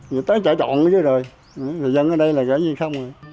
nó tới trở trọn rồi người dân ở đây là cái gì không